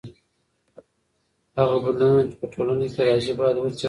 هغه بدلونونه چې په ټولنه کې راځي باید وڅېړل سي.